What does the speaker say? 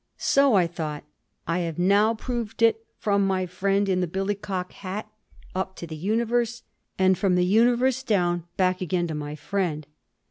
So," I thought, "I have now proved it from my friend in the billy cock hat up to the Universe, and from the Universe down, back again to my friend."